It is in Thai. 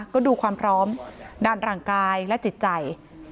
ก็ดูความพร้อมด้านหลังกายและจิตใจ